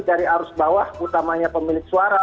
dari arus bawah utamanya pemilik suara